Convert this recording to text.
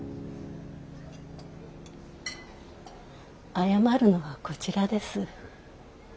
謝るのはこちらです。